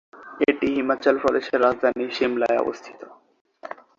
এটি হিমাচল প্রদেশের রাজধানী শিমলায় অবস্থিত।